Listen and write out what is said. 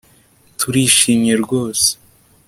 Turishimye rwose